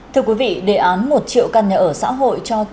thưa quý vị đề án một triệu căn nhà ở xã hội cho